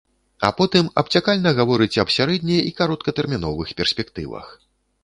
А потым абцякальна гаворыць аб сярэдне- і кароткатэрміновых перспектывах.